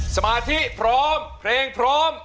สมาธิพร้อมเพลงพร้อม